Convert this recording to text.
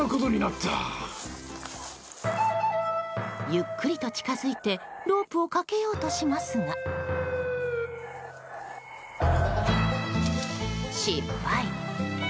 ゆっくりと近づいて、ロープをかけようとしますが失敗。